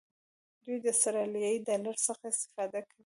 دوی د آسترالیایي ډالر څخه استفاده کوي.